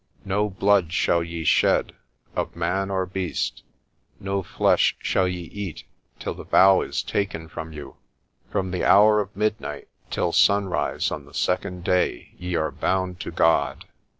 No blood shall ye shed of man or beast, no flesh shall ye eat till the vow is taken from you. From the hour of midnight till sunrise on the second day ye are bound to God.